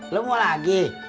lu mau lagi